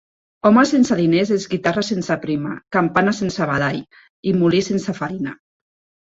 Home sense diners és guitarra sense prima, campana sense badall, i molí sense farina.